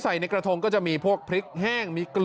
ใส่ในกระทองก็จะมีพวกพริกแห้งมี